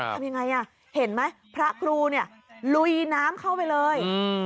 ทำยังไงอ่ะเห็นไหมพระครูเนี่ยลุยน้ำเข้าไปเลย